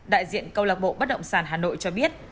đại diện công lạc bộ bất động sản hà nội cho biết